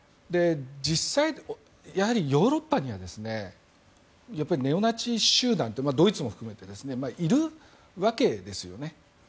実際、ヨーロッパにはネオナチ集団ってドイツも含めているわけですよね。